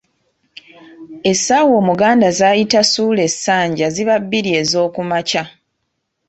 Essaawa Omuganda z'ayita suula essanja ziba bbiri ezookumakya.